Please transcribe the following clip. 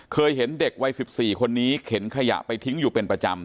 เคยเห็นเด็กวัย๑๔คนนี้เข็นขยะไปทิ้งอยู่เป็นประจำ